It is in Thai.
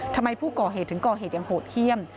ทำไมผู้ก่อเหตุถึงก่อเหตุอย่างโหดเยี่ยม